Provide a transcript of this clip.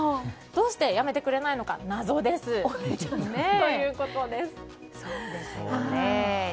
どうしてやめてくれないのか謎ですということです。